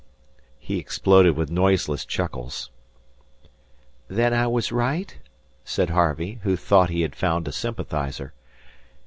He exploded with noiseless chuckles. "Then I was right?" said Harvey, who thought he had found a sympathiser.